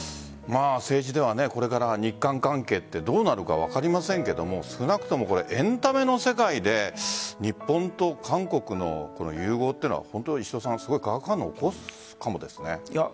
政治ではこれから日韓関係はどうなるのか分かりませんが少なくともエンタメの世界で日本と韓国の融合というのは本当に化学反応を起こすかもですね。